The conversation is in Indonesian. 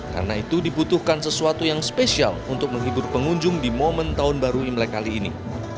karena itu dibutuhkan sesuatu yang spesial untuk menghibur pengunjung di momen tahun baru imlek kali ini